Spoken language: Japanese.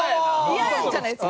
嫌じゃないですか。